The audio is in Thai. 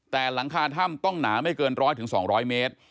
แต่หลังคาถ้ำต้องหนาไม่เกินร้อยถึงสองร้อยเมตร